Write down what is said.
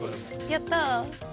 やった。